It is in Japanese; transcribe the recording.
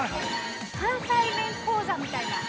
関西弁講座みたいな？